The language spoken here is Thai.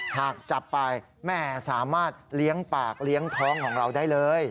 หากจับไปแม่สามารถเลี้ยงปากเลี้ยงท้องของเราได้เลย